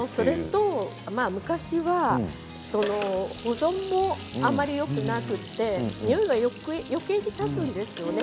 昔は保存もあまりよくなくてにおいがよけいに立つんですよね。